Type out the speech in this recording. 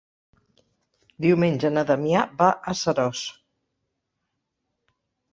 Diumenge na Damià va a Seròs.